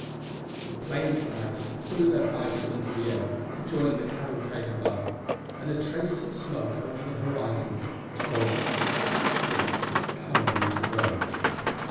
The plane carriers threw their fighters into the air to join the cavalcade above and a trace of smoke over the horizon told that the giant fleet was coming into range.